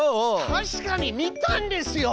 たしかに見たんですよ！